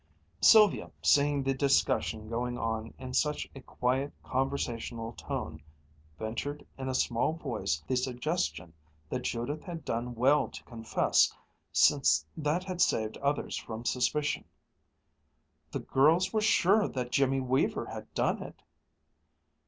Sylvia, seeing the discussion going on in such a quiet, conversational tone, ventured in a small voice the suggestion that Judith had done well to confess, since that had saved others from suspicion. "The girls were sure that Jimmy Weaver had done it."